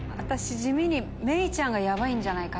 地味に芽郁ちゃんがヤバいんじゃないかって。